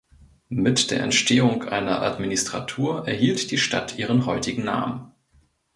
Mit der Entstehung einer Administratur erhielt die Stadt ihren heutigen Namen.